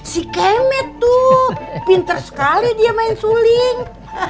si kemet tuh pinter sekali dia main suling